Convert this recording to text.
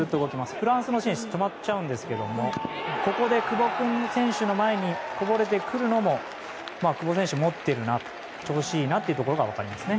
フランスの選手止まっちゃうんですけどもここで久保選手の前にこぼれてくるのも久保選手、もっているな調子いいなというのが分かりますね。